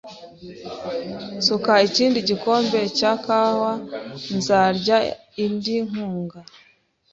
Nsuka ikindi gikombe cya kawa nzarya indi nkunga.